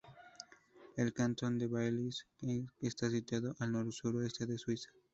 El cantón del Valais está situado al suroeste de Suiza.